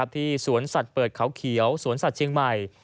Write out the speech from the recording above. ที่สวนสัตว์เปิดเขาเขียวสวนสัตว์เชียงใหม่